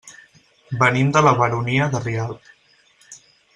Venim de la Baronia de Rialb.